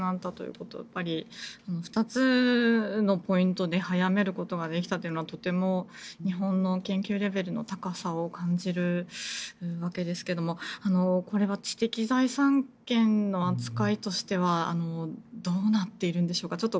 この２つのポイントで早めることができたのはとても日本の研究レベルの高さを感じるわけですがこれ、知的財産権の扱いとしてはどうなっているんでしょうか。